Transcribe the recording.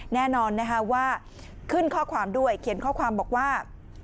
แน่นอนนะคะว่าขึ้นข้อความด้วยเขียนข้อความบอกว่า